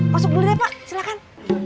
masuk dulu deh pak silahkan